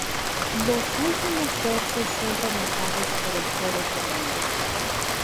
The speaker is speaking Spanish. Los últimos versos son rematados por el coro femenino.